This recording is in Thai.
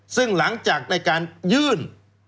ซึ่งหลังจากในการยื่น